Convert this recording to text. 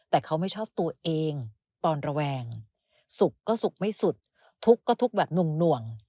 แต่เขาไม่ชอบตัวเองปอนระแวงสุขก็สุขไม่สุดทุกข์ก็ทุกข์แบบหน่วง